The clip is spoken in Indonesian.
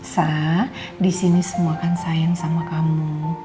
sah disini semua kan sayang sama kamu